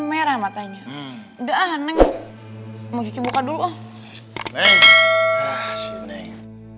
merah matanya udah ah neng mau cuci buka dulu neng si neng